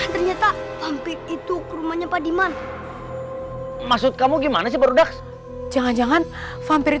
ternyata vampir itu ke rumahnya pak diman maksud kamu gimana sih pak rudaks jangan jangan vampir